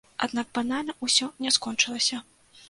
Аднак банальна ўсё не скончылася.